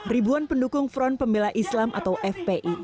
ribuan pendukung front pembela islam atau fpi